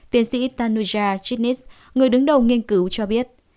tiến sĩ tanuja tritnis người đứng đầu nghiên cứu cho biết